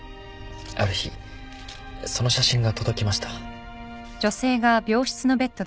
ある日その写真が届きました。